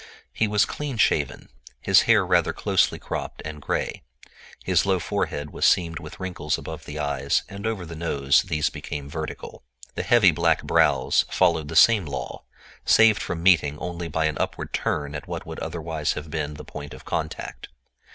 He was clean shaven, his hair rather closely cropped and gray. His low forehead was seamed with wrinkles above the eyes, and over the nose these became vertical. The heavy black brows followed the same law, saved from meeting only by an upward turn at what would otherwise have been the point of contact.